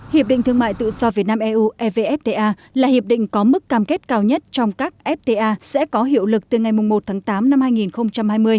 hiệp định thương mại tự do việt nam eu evfta là hiệp định có mức cam kết cao nhất trong các fta sẽ có hiệu lực từ ngày một tháng tám năm hai nghìn hai mươi